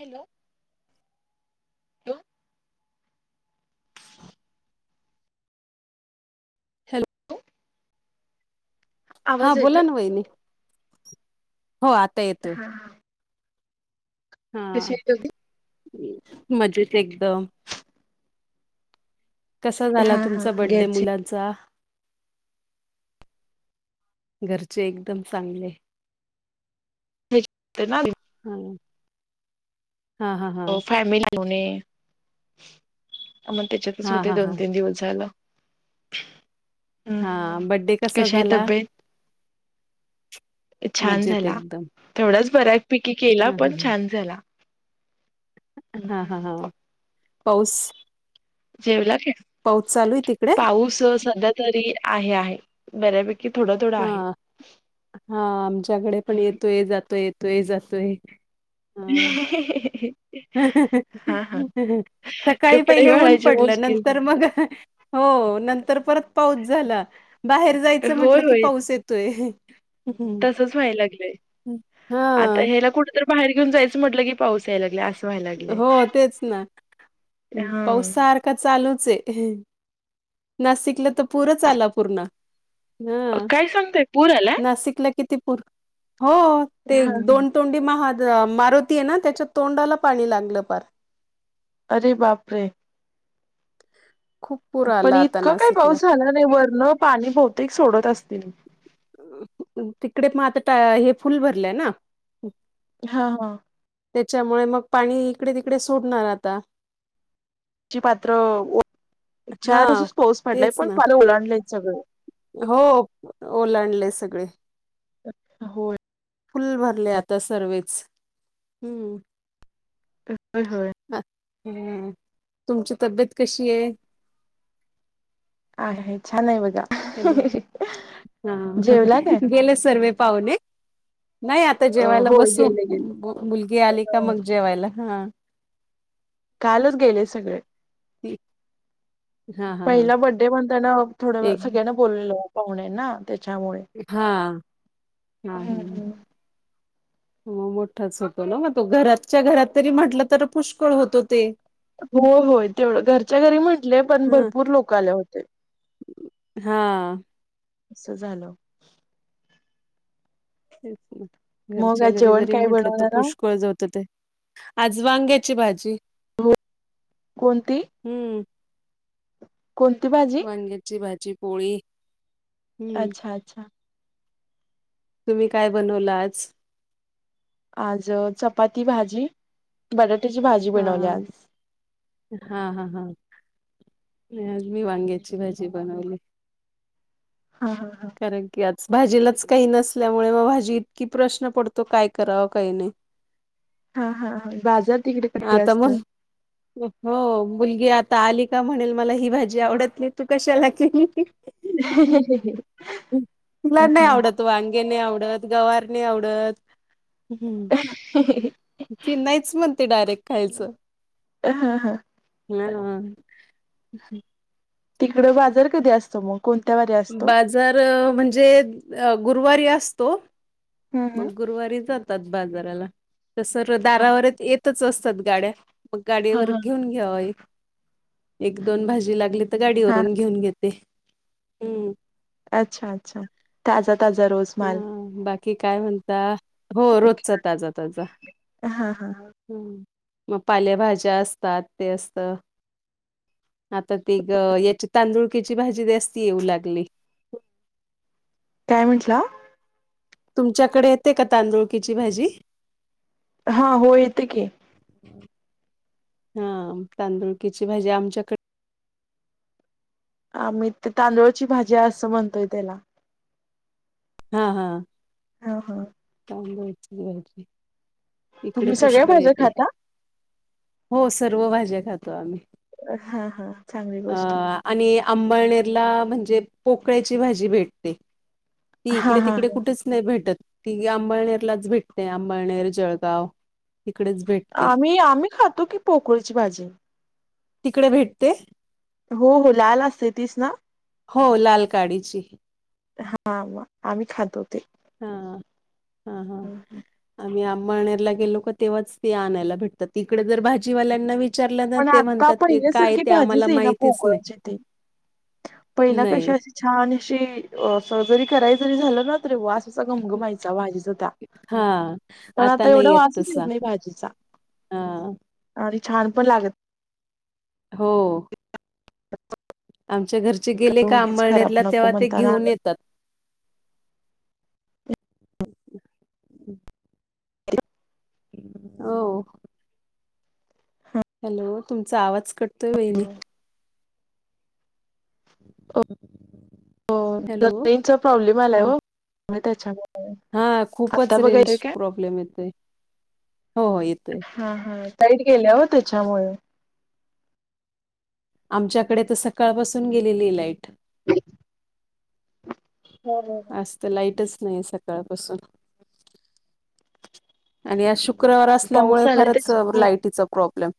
Hello. Hello हा आवाज येत बोला ना वहिणी. हो आता येतोय. हा कसे [unintelligible] मजेेत एकदम. कसा झाला हा हा तुमचा बर्थडे घरचे मुलांचा? घरचे एकदम चांगले. [inaudible] [inaudible] हा फॅमिली म्हणे मग त्याच्यातच हा होते हा दोन हा तीन दिवस झाल हा बड्डे कसा कशी आहे झाला तब्येत? छान मजेत झाला एकदम थोडाच बऱ्या पैकी केला हा हा पण हा छान झाला. हां -हां -हां पाऊस? जेवला की? पाऊस चालू तिकडे? पाऊस सध्या तरी आहे -आहे बऱ्यापैकी. थोडा थोडा हा आहे -हा आमच्याकडे पण येतोय जातोय- येतोय जातोय. हा [inaudible] हा हा सकाळी कपडे पहिले ऊन वाळायचे पडलं मुश्किल नंतर झाले मग हो नंतर परत पाऊस झाला बाहेर जायचं होय म्हटलं की होय पाऊस येत येतोय. तसच व्हायला लागलंय आता हा ह्याला कुठंत बाहेर घेऊन जायचं म्हटलं की पाऊस यायला लागला असं. व्हायला लागलंय. हो तेच ना हा पाऊस सारख का चालूच आहे नाशिकला तर पुरंच आला पूर्ण. हा काय सांगताय पूर आलाय? नाशिक ला किती पूर हो हा तोंडी म मारुती आहे ना त्याच्या तोंडाला पाणी लागलं पार. अरे बापरे. खूप पूर पण आला आता इतकं काही नाशिकला पाऊस झाला नाही वरण पाणी बहुतेक सोडत असतील. तिकडे मग आता हे फुल भरलंय ना. हा - हा. त्याच्यामुळे मग पाणी इकडे तिकडे सोडणार आता ची पात्र. [inaudible] हा चारच दिवसच पाऊस पडलाय, तेच पण ना पाणी ओलांडलेय सगळं. हो, ओलांडले सगळे. अच्छा! होय. फुल्ल भरले आता सर्वेच. हम्म होय, होय. अं. हम्म, तुमची तब्येत कशीये? आहे. छान आहे बघा. हॅलो [unintelligible] हा. जेवला काय? [unintelligible] गेले सर्वे पाहूने? नाही आता अ जेवायला होय बसू. गेले गेले मुलगी आली का मग? जेवायला हं. कालच गेले सगळे. [inaudible] हा हा हा पहिला बड्डे म्हणताना, थोडं व एक सगळ्यांनां बोलवलं पाहुणे ना त्याच्यामुळे हां हा हम्म हा. हम्म मग मोठाच होतो ना मग तो. घरातच्या घरात तरी म्हटलं तरी पुष्कळ होतो ते. हो होय तेवढं घरच्या घरी म्हटले, पण ह भरपूर लोक आले होते. [inaudible] हा. असं झालं. तेच ना. मग घरच्या आज घरी जेवण जरी काय म्हंटलं, तरी बनवणारा पुष्कळ ज होतं ते. आज वांग्याची भाजी. कोणती? हम्म. कोणती [inaudible] भाजी वांग्याची भाजी पोळी हम्म अच्छा! अच्छा! तुम्ही काय बनवलं आज? आज अं चपाती भाजी. [inaudible] बटाट्याची भाजी हा बनवली आज. हा हा हा. मी ज मी वांग्याची भाजी बनवली. हा हा हा. कारण की, आज भाजीलाच काही नसल्यामुळे, मग भाजी इतकी प्रश्न पडतो काय करावा काही नाही. हा हा हा. बाजार तिकडे कधी आता म्हण असतो? हो. मुलगी आता आली का म्हणेल, मला ही भाजी आवडत नाही तू कशाला केली. [unintelligible] तिला हा नाही हा. आवडत. वांगे नाही आवडत, गवार नाही आवडत, [inaudible] हं [inaudible] ती नाहीच म्हणते डायरेक्ट खायचं. [inaudible] हा हा. हा हं [inaudible] तिकडं बाजार कधी असतो? मग, कोणत्या वारी असतो? जर म्हणजे, अ गुरुवारी असतो. हम्म हम्म. मग गुरुवारी जातात बाजाराला. तसं दारावर येतच असतात गाड्या. मग हा गाडीवर हा घेऊन घ्यावा एक. [inaudible] एक, दोन भाजी लागली हा गाडीवरून घेऊन घेते. हम्म अच्छा! अच्छा! ताजा ताजा रोज माल. हा बाकी काय म्हणता? हो, रोजचा ताजा ताजा. हा हा ह मग, पालेभाज्या असतात ते असतं. आता ती गं, याची तांदुळकीची भाजी जास्ती येऊ लागली. काय म्हटला? तुमच्याकडे येते का तांदुळकयाची भाजी? हा हो येते की हा तांदुळक्याची भाजी आमच्याकडे आ मी ते तांदूळची भाजी आहे असं म्हणतोय त्याला. हा हा. ह हा. तांदुळाची भाजी? इकडे तुम्ही सगळ्या पुष्कळ भाज्या येते खाता? हो सर्व भाज्या खातो आम्ही हा हा चांगली अ गोष्ट. आणि आंबळनेरला म्हणजे पोकळ्याची भाजी भेटते ती हा इकडे हा तिकडे कुठेच नाही भेटत ती अंबळनेरलाच भेटते अंबळनेर जळगाव तिकडेच भेटते आम्ही आम्ही खातो की पोकरीची भाजी तिकडे भेटते. हो हो लाल असते तीच ना हो लाल काडीची.. हा आम्ही खातो ते. हा हा हा. आम्ही आंबा आणारला गेलो का तेव्हाच ते आणायला भेटतात तिकडे जर भाजीवाल्यांना वि पण आता पहिल्यासारखी भाजीच आहे ना माहितीच नाही पोगळची ते पहिला कशी नाही. अशी छान अशी सर्जरी कराय जरी झालं ना वास असा वास असा घमघनाट्याचा भाजीचा सुद्धा. हा आता नाही येत तसा नाही भाजीचा. हा. आणि छान पण लागत. हो आमच्या घरचे गेले नाही का उगीच खराब आंबळनेरला नको तेव्हा ते म्हणताना. घेऊन येतात. हो हॅलो तुमचा आवाज कटतोय वहिणी [unintelligible] हो हॅलो. जेनचा प्रॉब्लेम आलाय हो त्याच्यामुळे हा खूपच आता बघा रेंज येतोय काय? प्रॉब्लेम येतोय हो हो येतोय. हा हा टाईट गेले त्याच्यामुळे आमच्याकडे तर सकाळपासून गेलेली लाईट हो आज तर लाईटच नाही सकाळपासून आणि शुक्रवार तुक्रवर असल्यामुळे पाऊस आलाय फारच त्याच्यामुळे. लायटीचा प्रॉब्लेम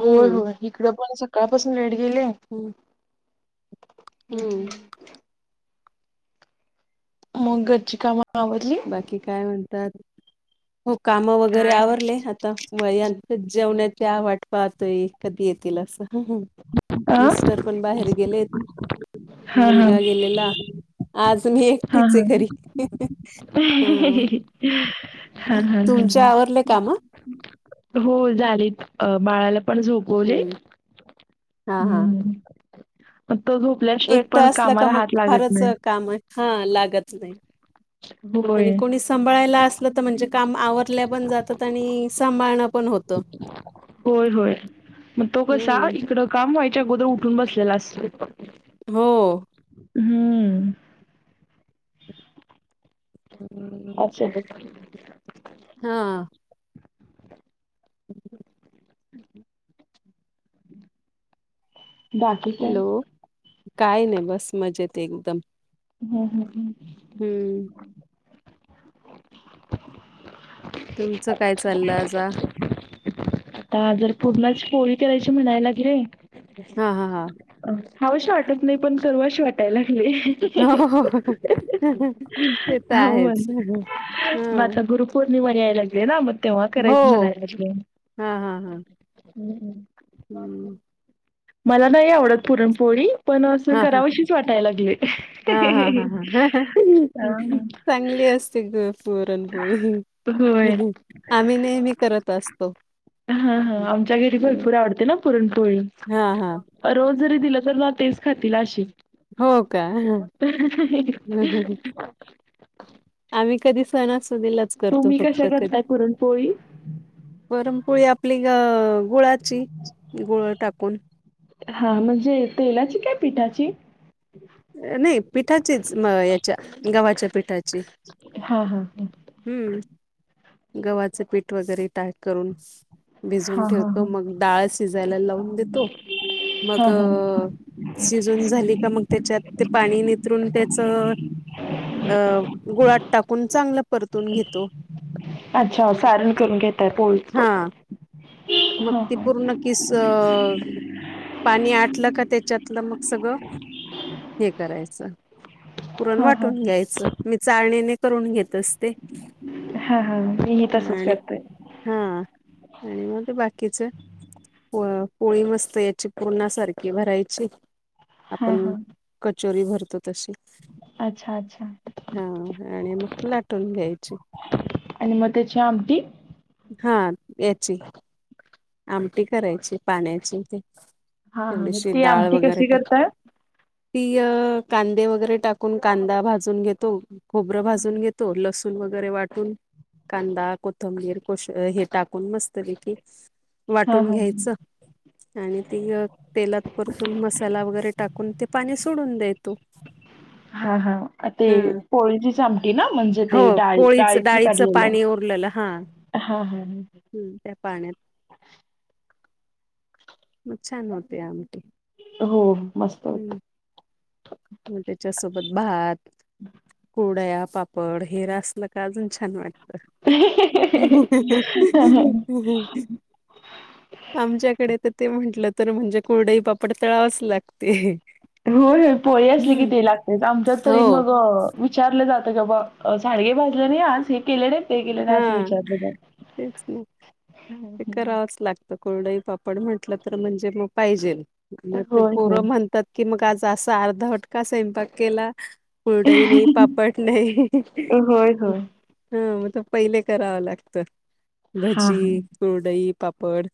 होय होय इकडं पण सकाळपासून लेट गेले होम् हम् आवडली. बाकी काय म्हणतात हो काम वगैरे काय आवरले आता म यांंत जेवणाची आ वाट पाहतोय कधी येतील असं अ मिस्टर पण बाहेर गेलेत हा हा हा मुलगा गेला. आज मी एकटीच आहे एकटीच घरी. हं ही ही हा हा. तुमचे आवरले काम? हो झालेत, बाळाला पण झोपवले. हं हा हा त जो एकटा असला का मग, फारच, काम आहे, हा लागत नाही. होय आणि कोणी, सांभाळायला असलं तर म्हणजे काम आवरल्या पण जातात आणि, सांभाळणं पण होतं. होय, होय, मग तो कसा, हम्म इकडं, काम व्हायच्या अगोदर, उठून बसलेला असतो. हो ह हम्,, अच्छा [inaudible] हा, [inaudible] बाकी काय हॅलो, काय नाही, बस मजेतेए एकदम. हम्, हम, हम, हम्म,, [inaudible] तुमचं काय चाललं आजा आता, जर पूरणाची पोळी करायची म्हणाय लागले. हा, हा, हा, खाऊशी वाटत नाही, पण करवाशी वाटाय लागले. हो,, ते, तर आहेच. ह म, आता, गुरुपौर्णिम याय लागली ना, मग तेव्हा हो करायच म्हणाय लागले. हा हा हा [inaudible] [inaudible] मला नाही आवडत पुरणपोळी,, पण, असं हा हा करावशीच वाटाय लागले. हा हा हा हा चांगली असते पुरणपोळी, होय आम्ही नेहमी करत असतो. हा, हा, आमच्या घरी भरपूर आवडते ना, पुरणपोळी. हा हा रोज जरी दिलं तरी, म तेच खातील अशी,, हो, का, ह, ह, आम्ही कधी सणासुदीलाच,, करतो तुम्ही कशा फक्त कधी करताय, पुरण पोळी? पुरणपोळी, आपली अ, गुळाची, गुळ टाकून. हा, म्हणजे, तेलाची काय पिठाची? नाही, पिठाचीच, म, याच्या गव्हाच्या पिठाची. हा हा हा हम्म, गव्हाचं पीठ वगैरे टाय करून,, भिजवुन हा हा ठेवतो, हा मग डाळ शिजायला, लावून देतो. मग, हा हा शिजवुन झाली का मग, त्याच्यात, ते पाणी नितरून, त्याचं अ,, गुळात टाकून चांगलं, परतून घेतो. अच्छा, सारण करून घेताय, पोळीच, हा मग ती पूर्ण ह, किस ह, पाणी आटलं का, त्याच्यातलं मग सगळं, हे करायचं. पुरण हा हा वाटून घ्यायचं, मी चाळणीने करून घेत असते, हा, हा, मीही तसच आणि करतेय. हा आणि मग. बाकीचे पोळी मस्त याची पूर्णा सारखी भरायची. हा आपण हा कचोरी भरतो. तशी अच्छा अच्छा हा आणि मग लाटून घ्यायची. आणि मग त्याची आमटी. हा याची आमटी करायची पाण्याची. हा हा मग थोडीशी ती डाळ आमटी वगैरे, कशी टेक. करताय तिय कांदे वगैरे टाकून. कांदा भाजून घेतो. खोबरं, भाजून घेतो लसूण वगैरे वाटून कांदा, कोथंबीर. हे टाकून मस्तरी की हा वाटून हा घ्यायचं आणि ती. तेलात परतून मसाला वगैरे टाकून ते पाणी सोडून. [inaudible] हा हा ते पोळीची सामटी ना म्हणजे हो ते डाळी पोळीचं डाळीते डाळीचं काढलेल. पाणी हा. [unintelligible] हम्म त्या पाण्यात, खूप छान होते आमटी. हो मस्त हम्म होत. त्याच्यासोबत भात. [unintelligible] [inaudible] पापड, हे रा असल का अजून छान वाट. [unintelligible] आमच्याकडे तर ते म्हंटलं तर म्हणजे कुरडई, पापड तळाच लागते. होय होय पोळी असली कि हम्म ते लागते. तेच आमच्यात हो तरी मग विचारलं जातं की बाबा साडगे भाजले नाही आज हे केलेले. ते केलं, ना हा असं विचारलं जात. होय, होय. [unintelligible] कि मग आज असा अर्धावट फटका स्वयंपाक केला. [inaudible] नाही पापड नाही होय, होय. हा मग. पहिले करावं लागत हां. भजी. कुरडई पापड.